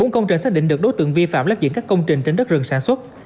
bốn công trình xác định được đối tượng vi phạm lách diện các công trình trên đất rừng sản xuất